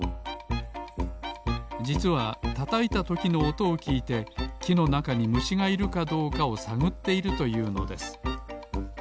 じつはたたいたときのおとをきいてきのなかにむしがいるかどうかをさぐっているというのです。